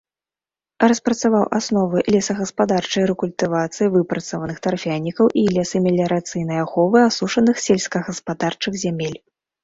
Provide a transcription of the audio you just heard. Распрацаваў асновы лесагаспадарчай рэкультывацыі выпрацаваных тарфянікаў і лесамеліярацыйнай аховы асушаных сельскагаспадарчых зямель.